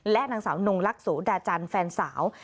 และนางสาวนงลักษุดาจันทร์แฟนสาว